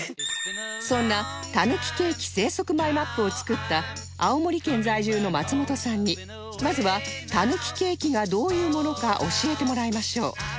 そんなたぬきケーキ生息マイマップを作った青森県在住の松本さんにまずはたぬきケーキがどういうものか教えてもらいましょう